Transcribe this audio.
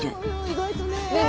意外とね。